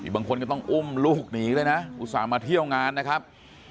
บางคนก็ต้องอุ้มลูกหนีเลยนะอุตส่าห์มาเที่ยวงานนะครับ